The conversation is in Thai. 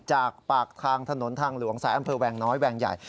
จากปากทางถนนทางหลวงสายอำเภอแวงน้อยแวงใหญ่